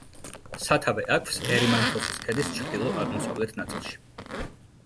სათავე აქვს ერიმანთოსის ქედის ჩრდილო-აღმოსავლეთ ნაწილში.